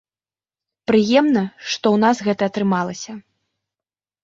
Прыемна, што ў нас гэта атрымалася.